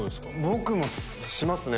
僕もしますね。